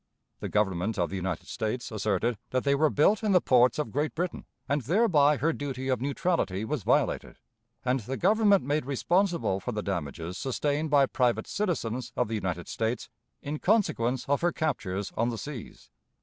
The Government of the United States asserted that they were built in the ports of Great Britain, and thereby her duty of neutrality was violated, and the Government made responsible for the damages sustained by private citizens of the United States in consequence of her captures on the seas.